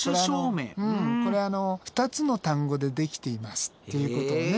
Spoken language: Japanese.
これあの２つの単語で出来ていますっていうことをね